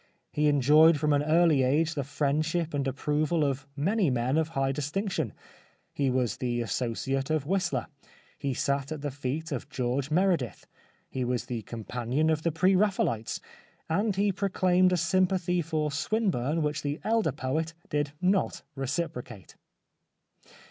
He en joyed from an early age the friendship and ap proval of many men of high distinction. He was the associate of Whistler ; he sat at the feet of George Meredith ; he was the companion of the Pre Raphaelites ; and he proclaimed a sympathy for Swinburne which the elder poet did not reciprocate.